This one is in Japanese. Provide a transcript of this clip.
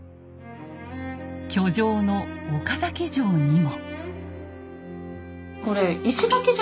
居城の岡崎城にも。